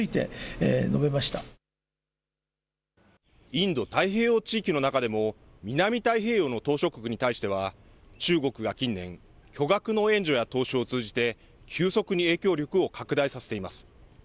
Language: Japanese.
インド太平洋地域の中でも、南太平洋の島しょ国に対しては、中国が近年、巨額の援助や投資を通じて、急速に影響力を拡大させています。